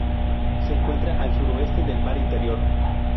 Se encuentra al suroeste del mar Interior.